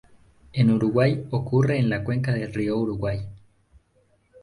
En Uruguay ocurre en la cuenca del río Uruguay.